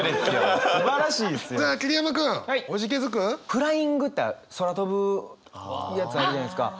フライングって空飛ぶやつあるじゃないですか。